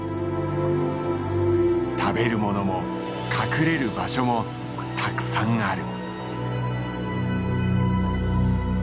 食べるものも隠れる場所もたくさんある。